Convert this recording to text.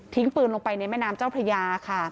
ปืนลงไปในแม่น้ำเจ้าพระยาค่ะ